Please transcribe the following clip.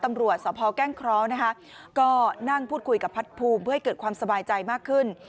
ตำรวจสพแก้งเคราะห์นะคะก็นั่งพูดคุยกับพัดภูมิเพื่อให้เกิดความสบายใจมากขึ้น